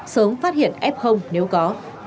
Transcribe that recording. sớm phát hiện f nếu có